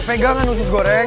pegangan usus goreng